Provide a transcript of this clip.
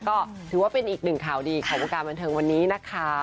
ก็ถือว่าเป็นอีก๑คร่าวดีของโรคราบบันเทิงวันนี้นะคะ